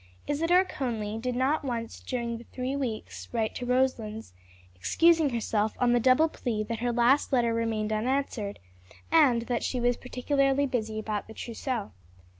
Isadore Conly did not once during the three weeks write to Roselands, excusing herself on the double plea that her last letter remained unanswered, and that she was particularly busy about the trousseau.